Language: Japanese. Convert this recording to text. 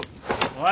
おい！